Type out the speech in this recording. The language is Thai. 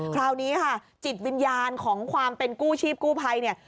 คราวนี้ค่ะจิตวิญญาณของความเป็นกู้ชีพกู้ภัยเนี่ย